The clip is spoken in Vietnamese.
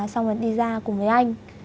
xong rồi đi ra cùng với anh